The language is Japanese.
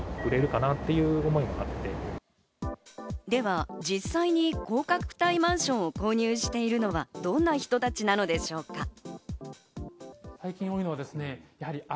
では実際に高価格帯マンションを購入しているのはどんな人たちなんでしょうか。